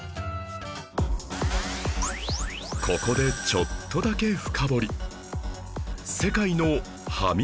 ここでちょっとだけ深掘り